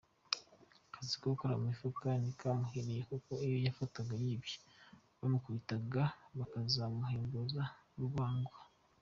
Akazi ko gukora mu mifuka ntikamuhiriye kuko iyo yafatwaga yibye bamukubitaga bakazamuhembuza urwagwa.